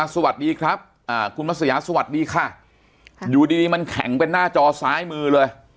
สวัสดีครับคุณมัศยาสวัสดีค่ะอยู่ดีมันแข็งเป็นหน้าจอซ้ายมือเลย